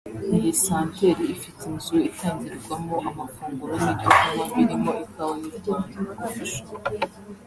Iyi santeri ifite inzu itangirwamo amafunguro n’ibyo kunywa birimo ikawa y’u Rwanda( Coffe shop)